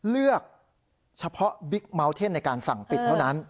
เลือกเฉพาะบิ๊กเมาสเทนในการสั่งปิดเท่านั้น